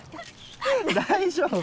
大丈夫？